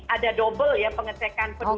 ada dobel ya pengecekan peduli lindungi